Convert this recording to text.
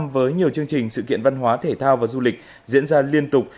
với nhiều chương trình sự kiện văn hóa thể thao và du lịch diễn ra liên tục